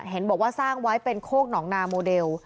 เห็นบอกว่าสร้างไว้เป็นโคกหนองนาโมเดล